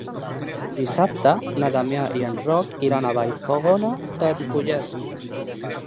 Dissabte na Damià i en Roc iran a Vallfogona de Ripollès.